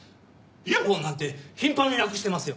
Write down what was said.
イヤフォンなんて頻繁になくしてますよ。